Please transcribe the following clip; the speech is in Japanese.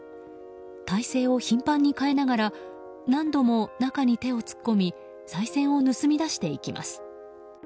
体勢を頻繁に変えながら何度も中に手を突っ込みさい銭を盗み出していきます。